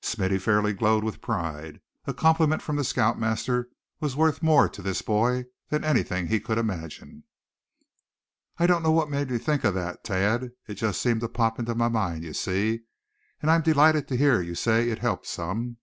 Smithy fairly glowed with pride. A compliment from the scout master was worth more to this boy than anything he could imagine. "I don't know what made me think of that, Thad; it just seemed to pop into my mind, you see. And I'm delighted to hear you say it helped some.